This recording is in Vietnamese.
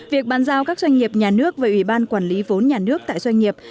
việc bàn giao các doanh nghiệp nhà nước về ủy ban quản lý vốn nhà nước tại doanh nghiệp